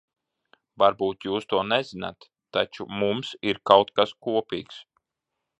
Varbūt jūs to nezināt, taču mums ir kaut kas kopīgs.